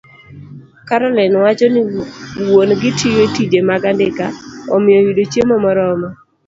Caroline wacho ni wuon-gi tiyo tije mag andika, omiyo yudo chiemo moromo